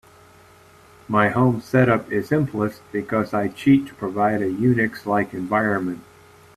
My home set up is simplest, because I cheat to provide a UNIX-like environment.